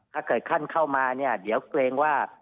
ถ้าเกิดท่านเข้ามาเนี่ยเดี๋ยวเกรงว่า